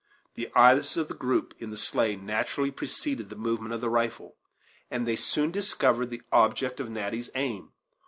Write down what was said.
The eyes of the group in the sleigh naturally preceded the movement of the rifle, and they soon discovered the object of Natty's aim.